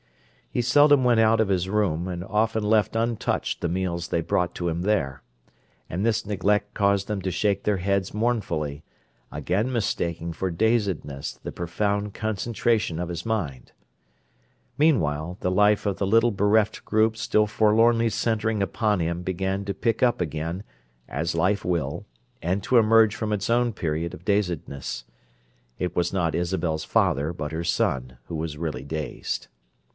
He seldom went out of his room, and often left untouched the meals they brought to him there; and this neglect caused them to shake their heads mournfully, again mistaking for dazedness the profound concentration of his mind. Meanwhile, the life of the little bereft group still forlornly centering upon him began to pick up again, as life will, and to emerge from its own period of dazedness. It was not Isabel's father but her son who was really dazed.